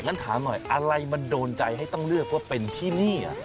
ถามหน่อยอะไรมันโดนใจให้ต้องเลือกว่าเป็นที่นี่